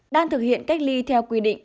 đang thực hiện cách ly theo quy định